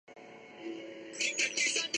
یہ فوج بہت سے محاذوںپر لڑ رہی ہے۔